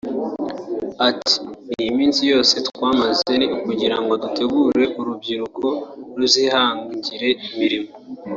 Ati”Iyi minsi yose twamaze ni ukugira ngo dutegure urubyiruko ruzihangira imirimo